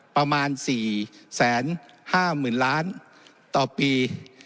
ประมาณ๔แสน๕หมื่นล้านต่อปี